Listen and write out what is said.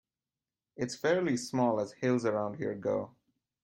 It's fairly small as hills around here go.